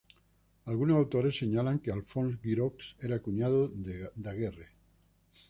Algunos autores señalan que Alphonse Giroux era cuñado de Daguerre.